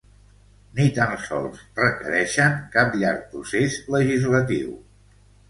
Ni tan sols requereixen cap llarg procés legislatiu.